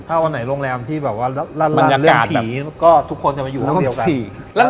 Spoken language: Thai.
ถ้าวันไหนโรงแรมที่แบบว่าเรื่องผีก็ทุกคนจะมาอยู่ห้องเดียวกัน